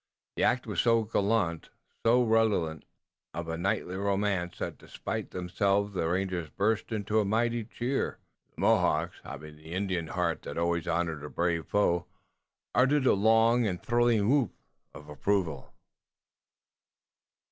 The act was so gallant, so redolent of knightly romance that despite themselves the rangers burst into a mighty cheer, and the Mohawks, having the Indian heart that always honored a brave foe, uttered a long and thrilling whoop of approval.